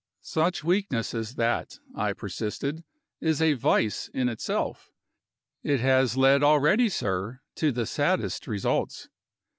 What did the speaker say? "Such weakness as that," I persisted, "is a vice in itself. It has led already, sir, to the saddest results."